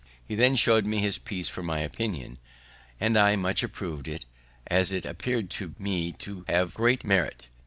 He then show'd me his piece for my opinion, and I much approv'd it, as it appear'd to me to have great merit.